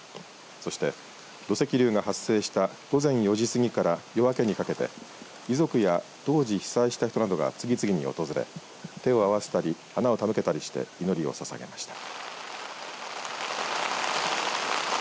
そして土石流が発生した午前４時過ぎから夜明けにかけて遺族や当時被災した人などが次々に訪れ手を合わせたり花を手向けたりして祈りをささげました。